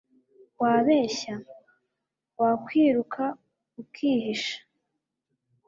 wabeshya? wakwiruka ukihisha